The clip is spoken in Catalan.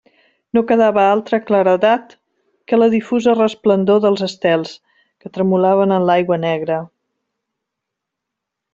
No quedava altra claredat que la difusa resplendor dels estels, que tremolaven en l'aigua negra.